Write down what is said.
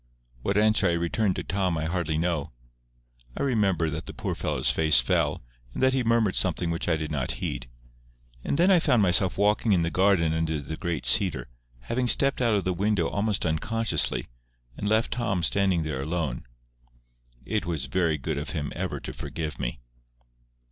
What answer I returned to Tom I hardly know. I remember that the poor fellow's face fell, and that he murmured something which I did not heed. And then I found myself walking in the garden under the great cedar, having stepped out of the window almost unconsciously, and left Tom standing there alone. It was very good of him ever to forgive me.